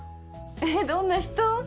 えっどんな人？